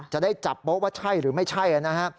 จะได้จับโป๊ะว่าใช่หรือไม่ใช่นะฮะ